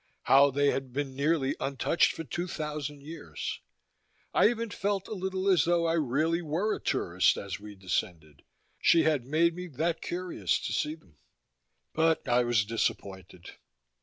How they had been nearly untouched for two thousand years. I even felt a little as though I really were a tourist as we descended, she had made me that curious to see them. But I was disappointed.